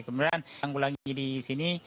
kemudian yang ulangi di sini